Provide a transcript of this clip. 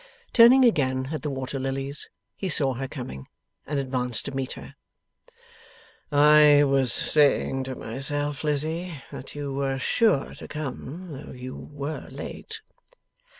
Turning again at the water lilies, he saw her coming, and advanced to meet her. 'I was saying to myself, Lizzie, that you were sure to come, though you were late.